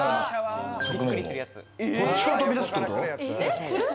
こっちから飛び出すってこと？